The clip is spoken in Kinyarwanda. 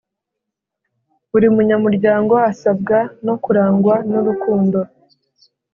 Buri munyamuryango asabwa no kurangwa n’urukundo